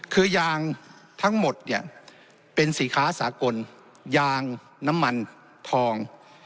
คือยางทั้งหมดเนี่ยเป็นสินค้าสากลยางน้ำมันทอง